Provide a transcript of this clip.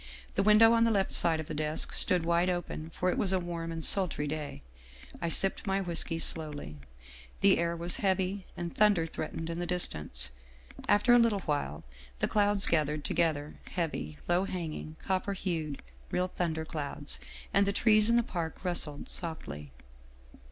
The window on the left side of the desk stood wide open, for it was a warm and sultry day. I sipped my whisky slowly. The air was heavy, and thunder threatened in the distance. After a little while the clouds gathered together, heavy, low hanging, copper hued, real thunder clouds, and the trees in the park rustled softly.